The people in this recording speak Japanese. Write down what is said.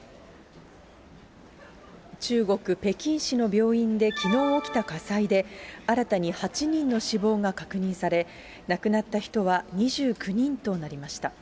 中国・北京市の病院できのう起きた火災で、新たに８人の死亡が確認され、亡くなった人は２９人となりました。